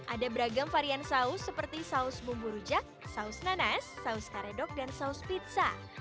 ada beragam varian saus seperti saus bumbu rujak saus nanas saus karedok dan saus pizza